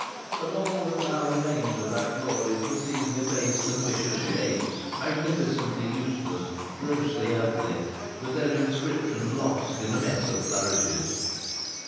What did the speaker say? And all that now remained of that glory was these debased and vicious shapes, magnificently useless, grossly ugly, with their inscriptions lost in a mess of flourishes.